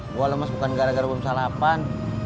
gue lemes bukan gara gara belum sarapan